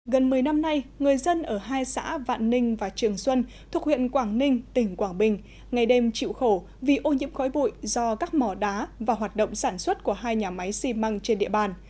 gần một mươi năm nay người dân ở hai xã vạn ninh và trường xuân thuộc huyện quảng ninh tỉnh quảng bình ngày đêm chịu khổ vì ô nhiễm khói bụi do các mỏ đá và hoạt động sản xuất của hai nhà máy xi măng trên địa bàn